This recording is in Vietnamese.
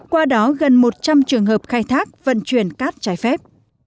qua đó gần một trăm linh trường hợp khai thác vận chuyển cát trái phép